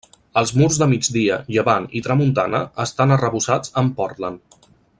Els murs de migdia, llevant i tramuntana estan arrebossats amb Portland.